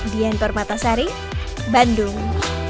diantar mata sari bandung